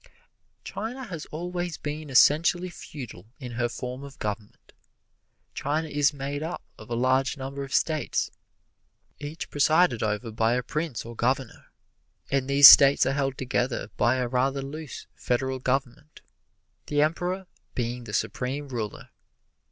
China has always been essentially feudal in her form of government. China is made up of a large number of States, each presided over by a prince or governor, and these States are held together by a rather loose federal government, the Emperor being the supreme ruler.